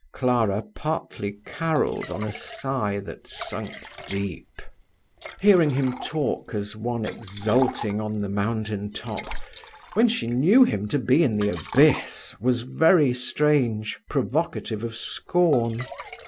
Clara partly carolled on a sigh that sunk deep. Hearing him talk as one exulting on the mountain top, when she knew him to be in the abyss, was very strange, provocative of scorn.